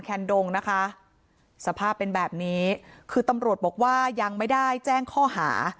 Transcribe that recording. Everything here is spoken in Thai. แนนดงนะคะสภาพเป็นแบบนี้คือตำรวจบอกว่ายังไม่ได้แจ้งข้อหา